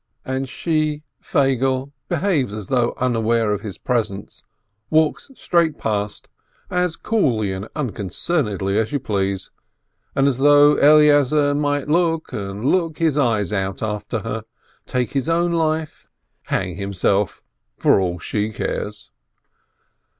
and she, Feigele, behaves as though unaware of his presence, walks straight past, as coolly and unconcernedly as you please, and as though Eleazar might look and look his eyes out after her, take his own life, hang himself, for all she cares.